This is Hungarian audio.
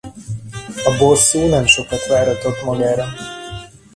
A bosszú nem sokat váratott magára.